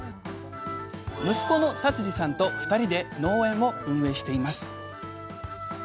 息子の辰樹さんと２人で農園を運営しています。